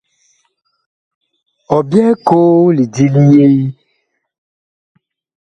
Ɔ byɛɛ koo lidi li yee ?